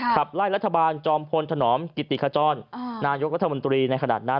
ขับไล่รัฐบาลจอมพลถนอมกิติขจรนายกรัฐมนตรีในขณะนั้น